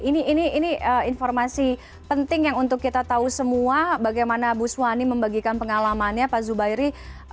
ini informasi penting yang untuk kita tahu semua bagaimana bu swani membagikan pengalamannya pak zubairi